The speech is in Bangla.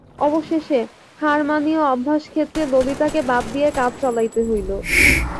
অবশেষে, হার মানিয়া অভ্যাসক্ষেত্রে ললিতাকে বাদ দিয়াই কাজ চালাইতে হইল।